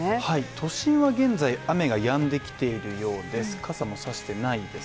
都心は現在雨が止んできているようです